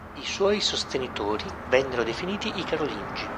I suoi sostenitori vennero definiti i "carolingi".